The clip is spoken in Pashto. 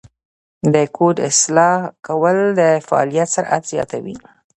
د کوډ اصلاح کول د فعالیت سرعت زیاتوي.